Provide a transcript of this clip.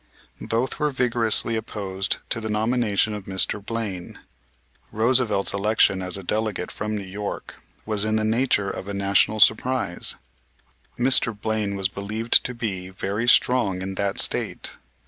Both were vigorously opposed to the nomination of Mr. Blaine. Roosevelt's election as a delegate from New York was in the nature of a national surprise. Mr. Blaine was believed to be very strong in that State.